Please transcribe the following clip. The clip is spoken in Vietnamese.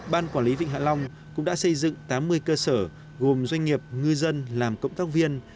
ban quản lý vịnh hạ long cũng đã xây dựng tám mươi cơ sở gồm doanh nghiệp ngư dân làm cộng tác viên